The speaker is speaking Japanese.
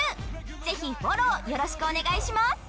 ぜひフォローよろしくお願いします！